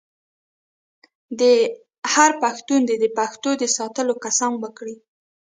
هر پښتون دې د پښتو د ساتلو قسم وکړي.